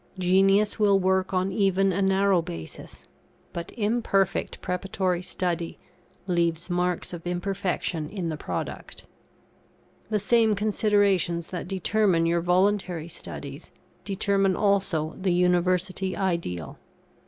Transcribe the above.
Genius will work on even a narrow basis, but imperfect preparatory study leaves marks of imperfection in the product. The same considerations that determine your voluntary studies, determine also the University Ideal.